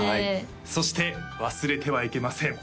そして忘れてはいけません